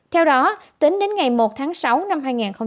theo đó tính đến ngày một tháng sáu năm hai nghìn hai mươi